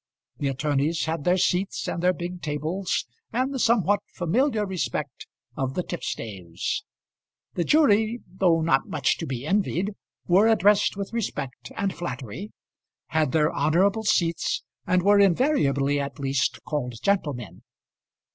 The attorneys had their seats and their big tables, and the somewhat familiar respect of the tipstaves. The jury, though not much to be envied, were addressed with respect and flattery, had their honourable seats, and were invariably at least called gentlemen.